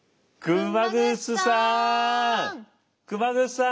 熊楠さん。